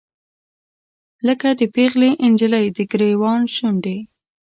لکه د پیغلې نجلۍ، دګریوان شونډې